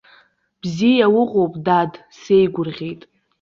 Бзиа уҟоуп, дад, сеигәырӷьеит.